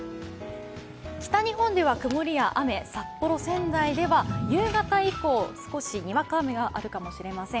北日本では曇りや雨、札幌、仙台では夕方以降、少しにわか雨があるかもしれません。